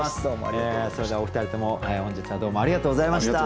それではお二人とも本日はどうもありがとうございました。